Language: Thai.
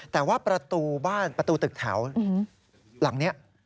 แต่ว่าประตูตึกแถวหลังนี้